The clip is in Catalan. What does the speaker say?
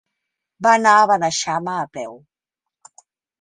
Va anar a Beneixama a peu.